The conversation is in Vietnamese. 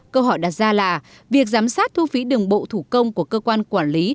câu hỏi đặt ra là việc giám sát thu phí đường bộ thủ công của cơ quan quản lý